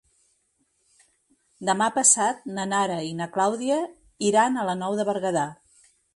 Demà passat na Nara i na Clàudia iran a la Nou de Berguedà.